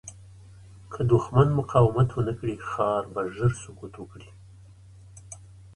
که دښمن مقاومت ونه کړي، ښار به ژر سقوط وکړي.